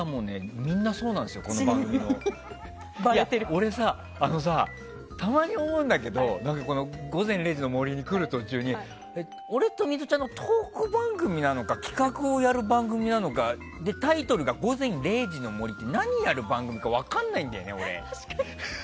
俺さ、たまに思うんだけど「午前０時の森」に来る途中に俺とミトちゃんのトーク番組なのか企画をやる番組なのかタイトルが「午前０時の森」って何やる番組か分からないんだよね、俺。